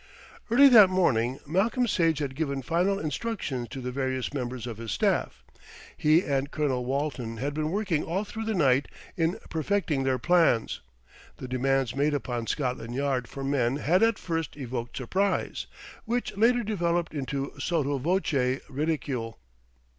Early that morning Malcolm Sage had given final instructions to the various members of his staff. He and Colonel Walton had been working all through the night in perfecting their plans. The demands made upon Scotland Yard for men had at first evoked surprise, which later developed into sotto voce ridicule.